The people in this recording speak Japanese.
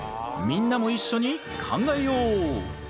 みんなも一緒に考えよう！